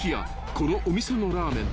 このお店のラーメン］